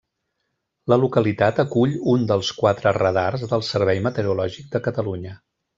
La localitat acull un dels quatre radars del Servei Meteorològic de Catalunya.